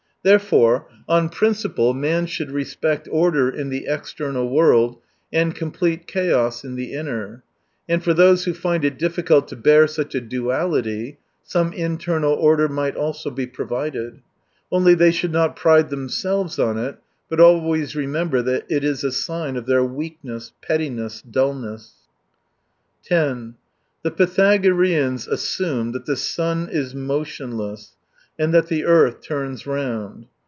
Therefore, on principle man should respect order in the external world and complete chaos in the inner. And for those who find it diffi cult to bear such a duality, some internal order might also be provided. Only, they should not pride themselves on it, but always remember that it is a sign of their weakness, pettiness, dullness. 10 The Pythagoreans assumed that the sun is motionless and that the earth turns round.